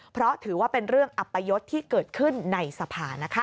เพราะถือว่าเป็นเรื่องอัปยศที่เกิดขึ้นในสภานะคะ